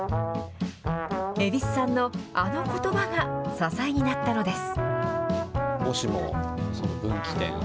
蛭子さんのあのことばが支えになったのです。